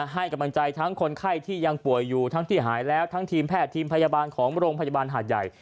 ให้กำลังใจทั้งคนไข้ที่ยังป่วยอยู่ทั้งที่หายแล้วทั้งทีมแพทย์ทีมพยาบาลของโรงพยาบาลหาดใหญ่